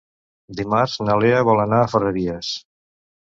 Dimarts na Lea vol anar a Ferreries.